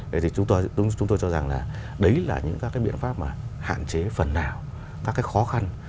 vậy thì chúng tôi cho rằng là đấy là những các cái biện pháp mà hạn chế phần nào các cái khó khăn